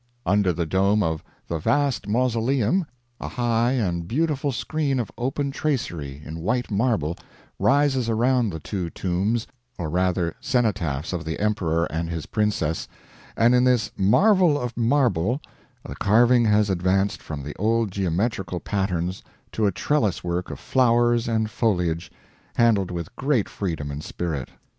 Under the dome of the vast mausoleum a high and beautiful screen of open tracery in white marble rises around the two tombs, or rather cenotaphs of the emperor and his princess; and in this marvel of marble the carving has advanced from the old geometrical patterns to a trellis work of flowers and foliage, handled with great freedom and spirit.